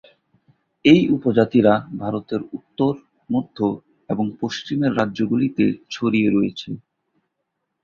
এই উপজাতিরা ভারতের উত্তর, মধ্য এবং পশ্চিমের রাজ্যগুলিতে ছড়িয়ে রয়েছে।